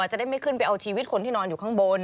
จะได้ไม่ขึ้นไปเอาชีวิตคนที่นอนอยู่ข้างบน